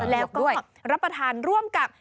แล้วก็รับประทานร่วมกับ